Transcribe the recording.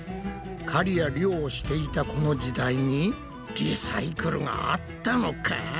狩りや漁をしていたこの時代にリサイクルがあったのか！？